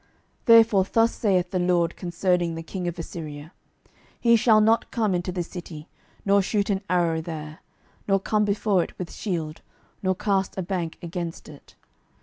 12:019:032 Therefore thus saith the LORD concerning the king of Assyria, He shall not come into this city, nor shoot an arrow there, nor come before it with shield, nor cast a bank against it.